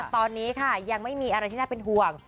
ตอนนี้ค่ะยังไม่มีอะไรที่น่าเป็นห่วง